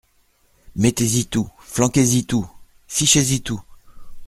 Mettez-y tout, flanquez-y tout, fichez-y tout.